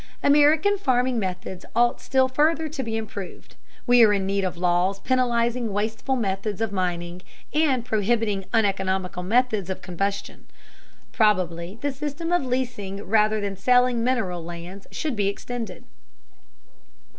American farming methods ought still further to be improved. We are in need of laws penalizing wasteful methods of mining and prohibiting uneconomical methods of combustion. Probably the system of leasing rather than selling mineral lands should be extended.